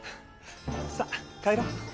さあ帰ろう。